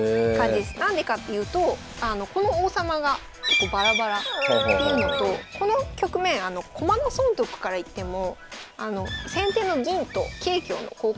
何でかっていうとこの王様が結構バラバラっていうのとこの局面駒の損得からいっても先手の銀と桂香の交換になってるんですよ。